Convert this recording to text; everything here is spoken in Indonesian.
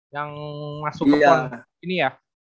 yang masuk ke pon ini ya